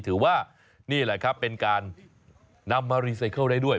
ถือว่านี่แหละครับเป็นการนำมารีไซเคิลได้ด้วย